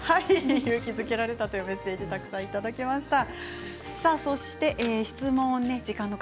勇気づけられたというメッセージ多くいただきました。